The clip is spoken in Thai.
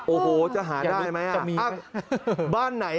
โอ้โฮจะหาได้ไหม